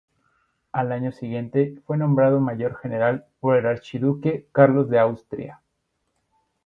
Al año siguiente fue nombrado mayor general por el Archiduque Carlos de Austria.